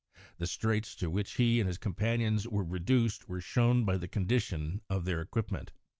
The straits to which he and his companions were reduced were shown by the condition of their equipment.